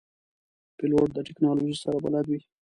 پیلوټ د تکنالوژۍ سره بلد وي.